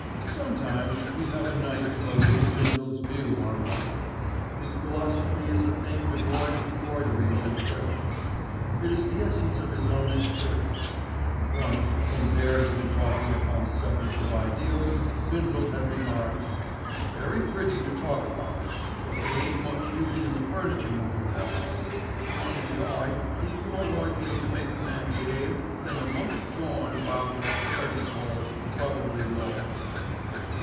Sometimes we have a night devoted to Bindle's views on life. His philosophy is a thing devoid of broideries and frills. It is the essence of his own experience. Once when Dare had been talking upon the subject of ideals, Bindle had remarked: "Very pretty to talk about, but they ain't much use in the furniture movin' line. One in the eye is more likely to make a man be'ave than a month's jawin' about wot 'Earty calls 'brotherly love.